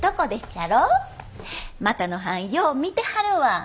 股野はんよう見てはるわ。